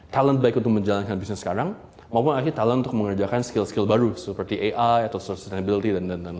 talent baik untuk menjalankan bisnis sekarang maupun ac talent untuk mengerjakan skill skill baru seperti ai atau sustainability dan lain lain